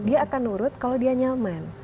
dia akan nurut kalau dia nyaman